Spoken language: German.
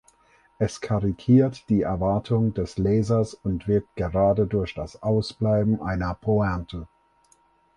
Es karikiert die Erwartung des Lesers und wirkt gerade durch das Ausbleiben einer Pointe.